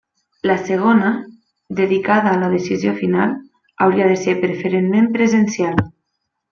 La segona, dedicada a la decisió final, hauria de ser preferentment presencial.